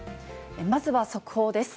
まずは速報です。